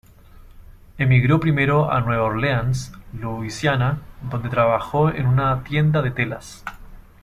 Emigró primero a Nueva Orleans, Louisiana, donde trabajó en una tienda de telas.